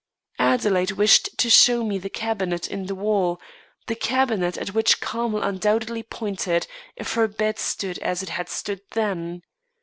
Adelaide wished to show me the cabinet in the wall, the cabinet at which Carmel undoubtedly pointed, if her bed stood as it had stood then.